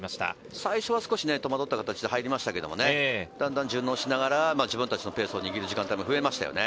最初は戸惑った形で入りましたけど、だんだん順応しながら自分達のペースを握る時間帯も増えましたよね。